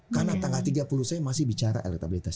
karena tanggal tiga puluh saya masih bicara elektabilitas